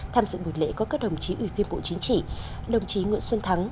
tham dự buổi lễ có các đồng chí ủy viên bộ chính trị đồng chí nguyễn xuân thắng